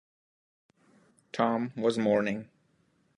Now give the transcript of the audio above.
Tom was mourning.